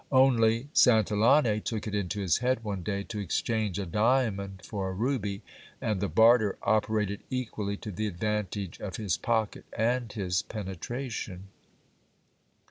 Only Santillane took it into his head one day to exchange a diamond for a ruby, and the barter operated equally to the advantage of his pocket and his penetration.